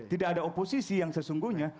tidak ada oposisi yang sesungguhnya